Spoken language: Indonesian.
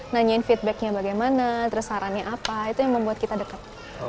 nanyain feedbacknya bagaimana terus sarannya apa itu yang membuat kita dekat